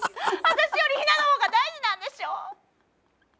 私よりヒナの方が大事なんでしょ。